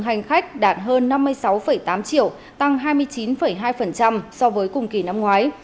hành khách đạt hơn năm mươi sáu tám triệu tăng hai mươi chín hai so với cùng kỳ năm ngoái